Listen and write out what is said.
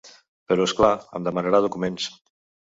Però és clar, em demanarà documents.